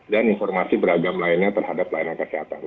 dan informasi beragam lainnya terhadap layanan kesehatan